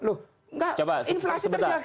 enggak inflasi terjaga pak